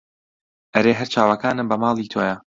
ئەرێ هەر چاوەکانم بە ماڵی تۆیە